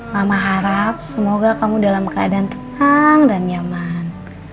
mama harap semoga kamu dalam keadaan tenang dan nyaman